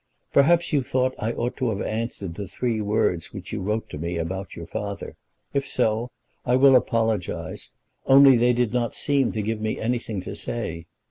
Perhaps you thought I ought to have answered the three words which you wrote to me about your father; if so, I will apologise; only they did not seem to give me anything to say.